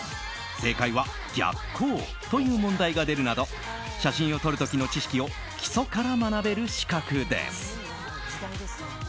正解は逆光、という問題が出るなど写真を撮る時の知識を基礎から学べる資格です。